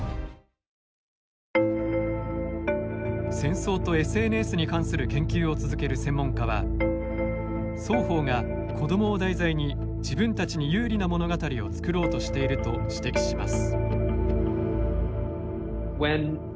戦争とＳＮＳに関する研究を続ける専門家は双方が子どもを題材に自分たちに有利な物語を作ろうとしていると指摘します。